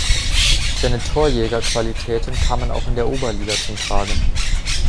Seine Torjägerqualitäten kamen auch in der Oberliga zum Tragen.